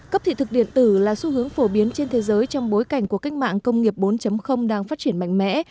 cấp thị thực điện tử là xu hướng phổ biến trên thế giới trong bối cảnh của cách mạng công nghiệp bốn đang phát triển mạnh mẽ